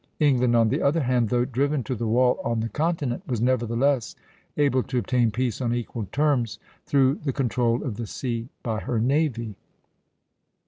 England, on the other hand, though driven to the wall on the continent, was nevertheless able to obtain peace on equal terms, through the control of the sea by her navy.